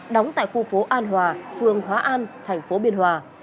đóng tại khu phố an hòa phường hóa an thành phố biên hòa